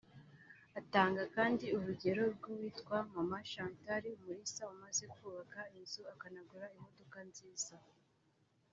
Atanga kandi urugero rw’uwitwa Mama Chantal Umulisa umaze kubaka inzu akanagura imodoka nziza